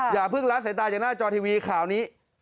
อย่าเพิ่งละสายตาจากหน้าจอทีวีข่าวนี้